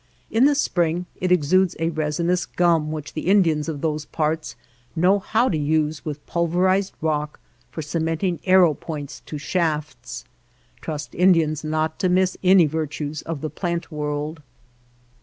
In the spring it exudes a resinous gum which the In dians of those parts know how to use with pulverized rock for cementing arrow points to shafts. Trust Indians not to miss any virtues of the plant world